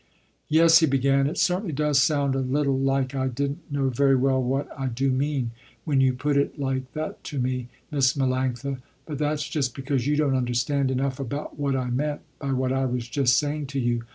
"Yes," he began, "it certainly does sound a little like I didn't know very well what I do mean, when you put it like that to me, Miss Melanctha, but that's just because you don't understand enough about what I meant, by what I was just saying to you.